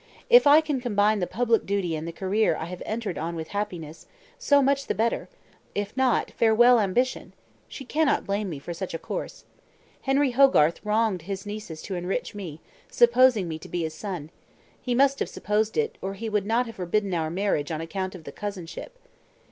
If I can combine the public duty and the career I have entered on with happiness, so much the better; if not, farewell ambition! She cannot blame me for such a course. Henry Hogarth wronged his nieces to enrich me, supposing me to be his son: he must have supposed it, or he would not have forbidden our marriage on account of the cousinship.